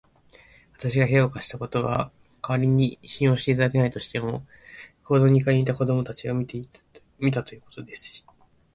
わたしが部屋を貸したことは、かりに信用していただけないとしても、ここの二階にいたのを子どもたちが見たということですし、